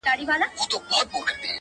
د زړه ښار کي مي آباده میخانه یې,